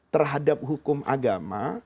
terhadap hukum agama